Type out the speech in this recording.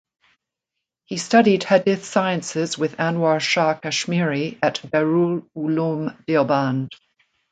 He studied hadith sciences with Anwar Shah Kashmiri at Darul Uloom Deoband.